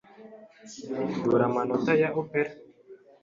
Dore amanota ya opera.